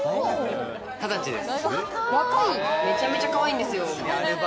２０歳です。